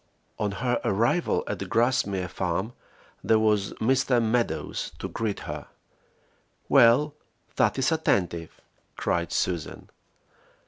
On her arrival at Grassmere Farm there was Mr. Meadows to greet her. "Well, that is attentive!" cried Susan.